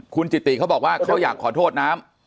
คุณจิติเขาบอกว่าเขาอยากขอโทษน้ำ